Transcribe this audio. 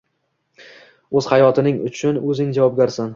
O‘z hayoting uchun o‘zing javobgarsan.